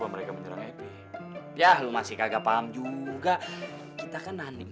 om ridwan ngeliat om sani enggak